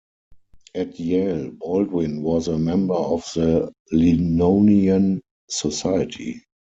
At Yale, Baldwin was a member of the Linonian Society.